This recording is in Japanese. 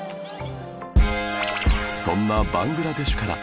そんなバングラデシュから